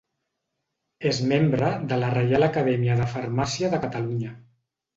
És membre de la Reial Acadèmia de Farmàcia de Catalunya.